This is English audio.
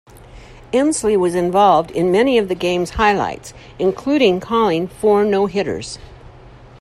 Emslie was involved in many of the game's highlights, including calling four no-hitters.